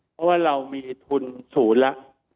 เพราะว่าเรามีทุนศูนย์ละ